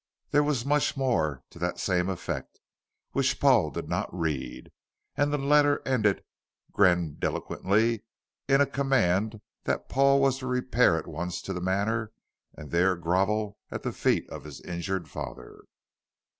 There was much more to the same effect, which Paul did not read, and the letter ended grandiloquently in a command that Paul was to repair at once to the Manor and there grovel at the feet of his injured father.